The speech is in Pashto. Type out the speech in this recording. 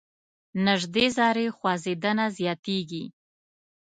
نژدې ذرې خوځیدنه زیاتیږي.